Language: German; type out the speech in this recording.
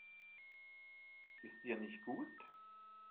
Ist dir nicht gut?